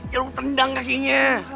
ya lu tendang kakinya